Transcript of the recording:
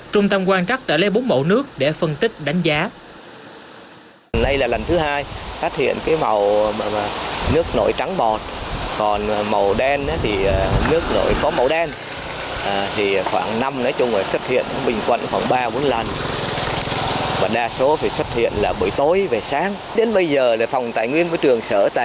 trung tâm quan trắc đã lấy bốn mẫu nước để phân tích đánh giá